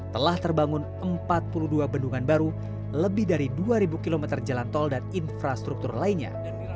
telah terbangun empat puluh dua bendungan baru lebih dari dua ribu km jalan tol dan infrastruktur lainnya